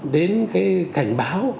đến cái cảnh báo